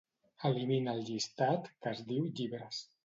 Elimina el llistat que es diu "llibres".